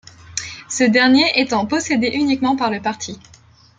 Ce dernier étant possédé uniquement par le parti.